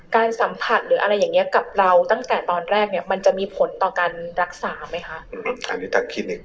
การสัมผัสหรืออะไรอย่างเงี้ยกับเราตั้งแต่ตอนแรกเนี้ยมันจะมีผลต่อการรักษาไหมคะอืมอืมอันนี้ทางคลินิก